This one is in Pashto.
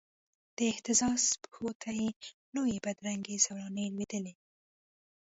د اهتزاز پښو ته یې لویي بدرنګې زولنې لویدلې